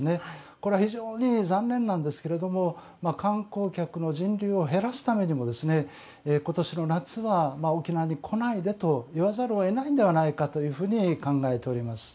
これは非常に残念なんですけど観光客の人流を減らすためにも今年の夏は沖縄に来ないでと言わざるを得ないんではないかというふうに考えております。